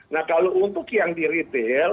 nah kalau untuk yang di retail